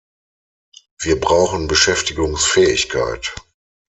Wir brauchen Beschäftigungsfähigkeit.